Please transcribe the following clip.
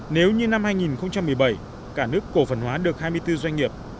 nếu như năm hai nghìn một mươi bảy cả nước cổ phần hóa được hai mươi bốn doanh nghiệp